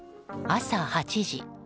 朝８時。